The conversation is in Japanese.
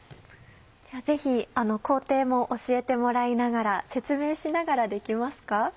ぜひ工程も教えてもらいながら説明しながらできますか？